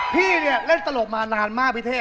พี่เนี่ยเล่นตลกมานานมากพี่เท่